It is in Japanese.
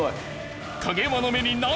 影山の目に涙。